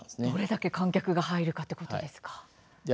どれだけ観客が入るということですか。